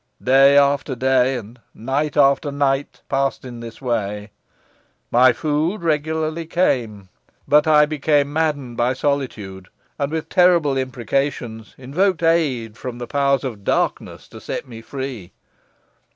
Day after day, and night after night, passed in this way. My food regularly came. But I became maddened by solitude; and with terrible imprecations invoked aid from the powers of darkness to set me free.